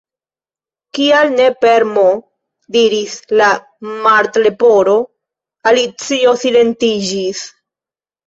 "Kial ne per M?" diris la Martleporo. Alicio silentiĝis.